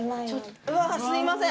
すいません。